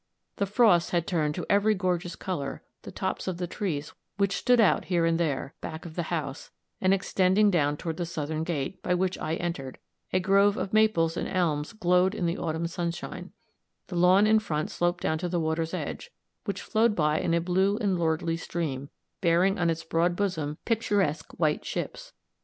The frosts had turned to every gorgeous color the tops of the trees which stood out here and there; back of the house, and extending down toward the southern gate, by which I entered, a grove of maples and elms glowed in the autumn sunshine; the lawn in front sloped down to the water's edge, which flowed by in a blue and lordly stream, bearing on its broad bosom picturesque white ships.